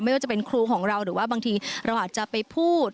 ว่าจะเป็นครูของเราหรือว่าบางทีเราอาจจะไปพูด